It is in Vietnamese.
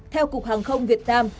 theo cục hàng không việt nam